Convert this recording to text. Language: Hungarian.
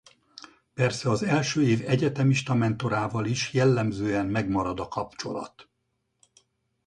Persze az első év egyetemista mentorával is jellemzően megmarad a kapcsolat.